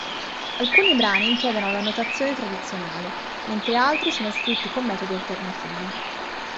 Alcuni brani impiegano la notazione tradizionale, mentre altri sono scritti con metodi alternativi.